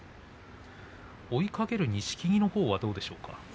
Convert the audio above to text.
追いかける錦木はどうでしょうか。